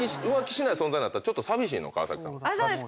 そうです。